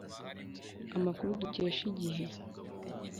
Amakuru dukesha Igihe